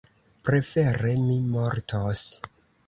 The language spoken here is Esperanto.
Prefere mi mortos!